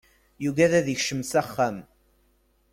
Yuggad ad d-ikcem s axxam.